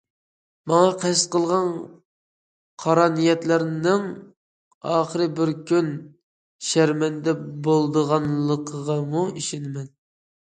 ماڭا قەست قىلغان قارا نىيەتلەرنىڭ ئاخىر بىر كۈن شەرمەندە بولىدىغانلىقىغىمۇ ئىشىنىمەن.